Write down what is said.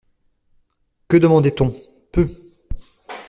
Que demandait-on ? Peu.